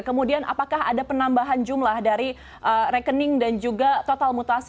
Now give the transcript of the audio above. kemudian apakah ada penambahan jumlah dari rekening dan juga total mutasi